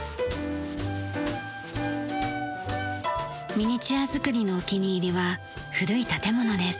ミニチュア作りのお気に入りは古い建物です。